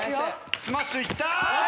スマッシュいった！